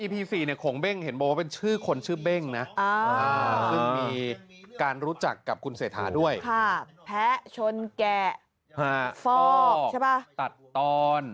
แพ้ชนแกะฟอกตัดตอน